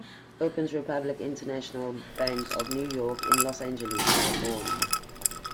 Opens Republic International Bank of New York in Los Angeles, California.